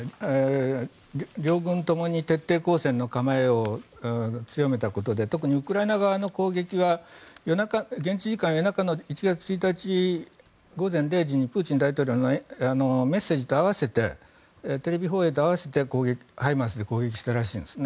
両軍ともに徹底抗戦の構えを強めたことで特にウクライナ側の攻撃が現地時間夜中の１月１日午前０時にプーチン大統領のメッセージと合わせてテレビ放映と合わせてＨＩＭＡＲＳで攻撃したらしいんですね。